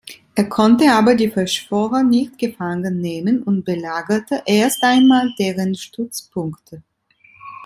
Er konnte aber die Verschwörer nicht gefangen nehmen und belagerte erst einmal deren Stützpunkte.